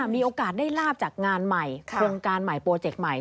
มีโอกาสได้ลาบจากงานใหม่โครงการใหม่โปรเจกต์ใหม่